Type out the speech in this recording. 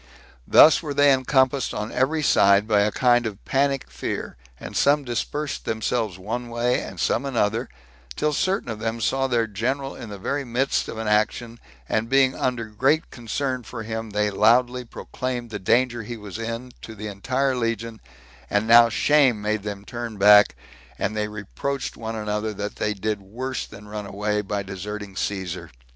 Thus were they encompassed on every side by a kind of panic fear, and some dispersed themselves one way, and some another, till certain of them saw their general in the very midst of an action, and being under great concern for him, they loudly proclaimed the danger he was in to the entire legion; and now shame made them turn back, and they reproached one another that they did worse than run away, by deserting Caesar.